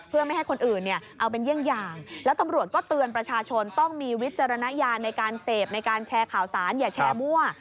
เพื่อไม่ให้คนอื่นเนี่ยเอาเป็นเยี่ยงอย่างแล้วตำรวจก็เตือนประชาชนต้องมีวิจารณญาณในการเสพในการแชร์ข่าวสารอย่าแชร์มั่ว